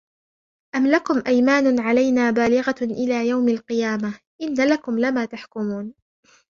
أم لكم أيمان علينا بالغة إلى يوم القيامة إن لكم لما تحكمون